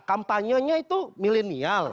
kampanyenya itu milenial